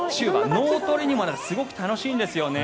脳トレにもなるすごく楽しいんですよね。